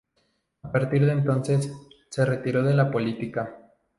A partir de entonces, se retiró de la política.